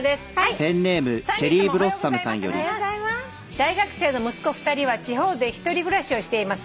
「大学生の息子２人は地方で１人暮らしをしています」